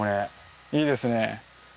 いいですね。